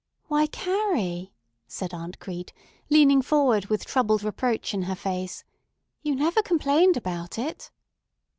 "Why, Carrie," said Aunt Crete, leaning forward with troubled reproach in her face, "you never complained about it."